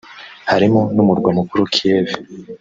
harimo n’Umurwa Mukuru Kiev